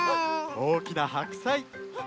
おおきなはくさい。